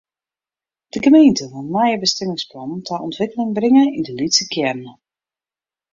De gemeente wol nije bestimmingsplannen ta ûntwikkeling bringe yn de lytse kearnen.